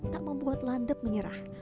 tak membuat landep menyerah